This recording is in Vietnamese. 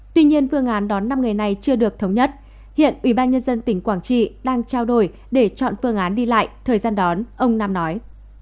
tuy nhiên phương án đón năm người này chưa được thống nhất hiện ủy ban nhân dân tỉnh quảng trị đang trao đổi để chọn phương án đi lại thời gian đón ông nam nói